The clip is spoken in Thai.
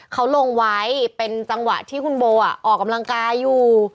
เขาลงไว้เป็นจังหวะที่คุณโบออกกำลังกายอยู่